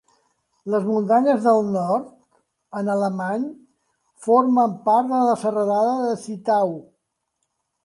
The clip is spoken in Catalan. Les muntanyes del Nord, en alemany, formen part de la serralada de Zittau.